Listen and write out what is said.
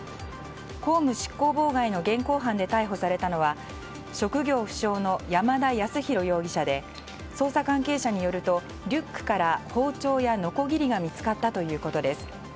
公務執行妨害の現行犯で逮捕されたのは職業不詳の山田康裕容疑者で捜査関係者によるとリュックから包丁や、のこぎりが見つかったということです。